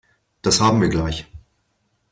Das haben wir gleich.